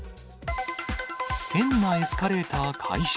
変なエスカレーター解消。